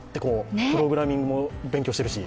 プログラミングも勉強していますし。